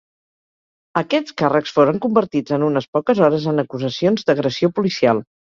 Aquests càrrecs foren convertits en unes poques hores en acusacions d'agressió policial.